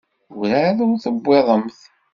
Werɛad ur d-wwiḍent?